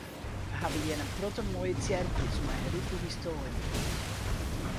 Wy ha hjir in protte moaie tsjerkjes mei in rike histoarje.